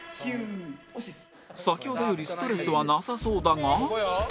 先ほどよりストレスはなさそうだが